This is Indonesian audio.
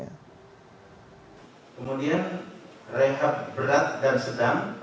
kemudian rekap berat dan sedang